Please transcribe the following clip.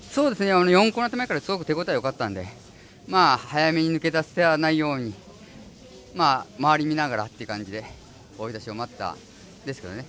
４コーナー目辺りからすごく手応えよかったので早めに抜け出さないように周りを見ながらって感じで追い出しを待ったんですね。